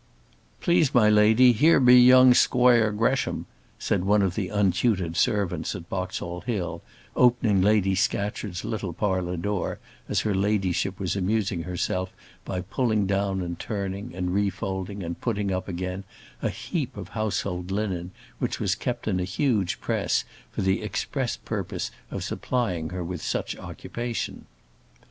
"Please, my lady, here be young squoire Gresham," said one of the untutored servants at Boxall Hill, opening Lady Scatcherd's little parlour door as her ladyship was amusing herself by pulling down and turning, and re folding, and putting up again, a heap of household linen which was kept in a huge press for the express purpose of supplying her with occupation.